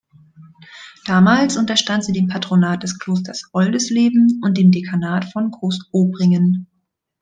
Damals unterstand sie dem Patronat des Klosters Oldisleben und dem Dekanat von Großobringen.